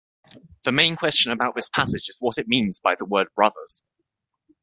The main question about this passage is what it means by the word "brothers".